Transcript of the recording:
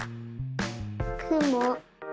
くも。